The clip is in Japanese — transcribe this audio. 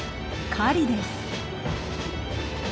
狩りです。